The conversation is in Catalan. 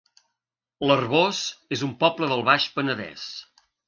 L'Arboç es un poble del Baix Penedès